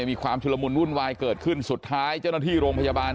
มีความชุลมุนวุ่นวายเกิดขึ้นสุดท้ายเจ้าหน้าที่โรงพยาบาล